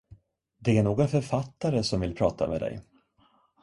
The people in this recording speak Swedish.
Det är någon författare som vill prata med dig.